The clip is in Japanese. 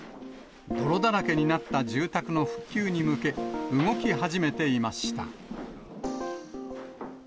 泥だらけになった住宅の復旧に向け、動き始めていました。